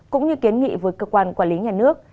cũng như kiến nghị với cơ quan quản lý nhà nước